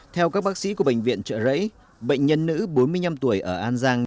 theo các bác sĩ của bệnh viện trợ rẫy bệnh nhân nữ bốn mươi năm tuổi ở an giang